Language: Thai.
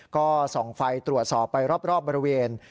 ก็ส่องไฟตรวจสอบไปรอบบริเวณ